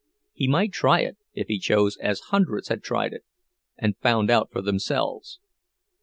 He might try it, if he chose, as hundreds had tried it, and found out for themselves.